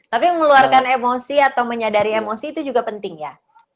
tapi meluarkan emosi atau menyadari emosi itu juga penting ya